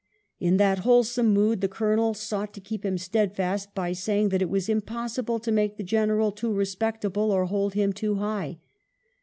In that whole some mood the Colonel sought to keep him steadfast by saying that it was "impossible to make the General too respectable, or hold him too high."